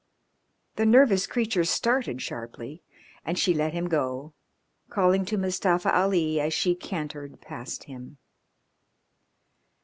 The nervous creature started sharply and she let him go, calling to Mustafa Ali as she cantered past him.